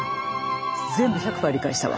全部１００％理解したわ。